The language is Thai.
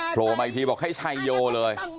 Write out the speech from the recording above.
โปรไมพีบอกให้ชัยโยเลย